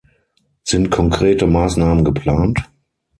Sind konkrete Maßnahmen geplant?